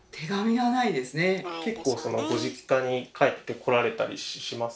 結構ご実家に帰ってこられたりします？